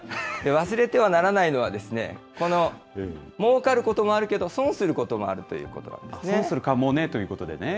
忘れてはならないのが、このもうかることもあるけど、損すること損するかモネということでね。